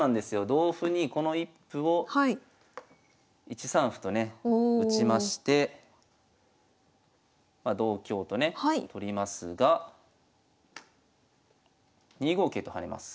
同歩にこの１歩を１三歩とね打ちましてま同香とね取りますが２五桂と跳ねます。